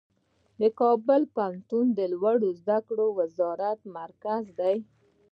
کابل پوهنتون د لوړو زده کړو مرکز دی.